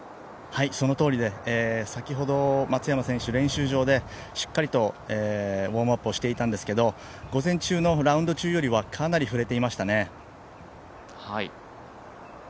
そのとおりで、先ほど松山選手、練習場でしっかりとウォームアップをしていたんですけど、午前中のラウンド中よりはかなり振れていましたね。